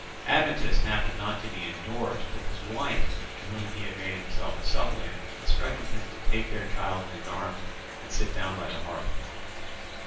Admetus happened not to be indoors, but his wife, to whom he made himself a suppliant, instructed him to take their child in his arms and sit down by the hearth.